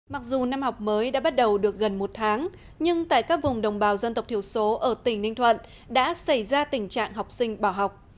mặc dù năm học mới đã bắt đầu được gần một tháng nhưng tại các vùng đồng bào dân tộc thiểu số ở tỉnh ninh thuận đã xảy ra tình trạng học sinh bỏ học